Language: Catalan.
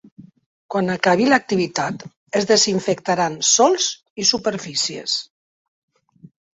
Quan acabi l’activitat, es desinfectaran sòls i superfícies.